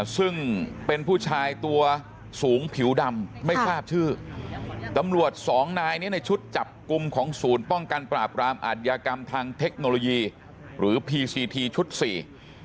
ซึ่งเป็นผู้ชายตัวสูงผิวดำไม่ทราบชื่อตำรวจสองนายเนี้ยในชุดจับกลุ่มของศูนย์ป้องกันปราบรามอาทยากรรมทางเทคโนโลยีหรือพีซีทีชุดสี่